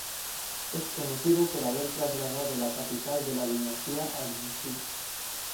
Es conocido por haber trasladado la capital de la dinastía a Yin Xu.